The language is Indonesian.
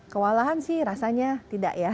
kewalahan sih rasanya tidak ya